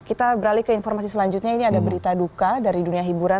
kita beralih ke informasi selanjutnya ini ada berita duka dari dunia hiburan